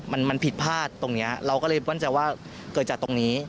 มันมันผิดพลาดตรงเนี้ยเราก็เลยมั่นใจว่าเกิดจากตรงนี้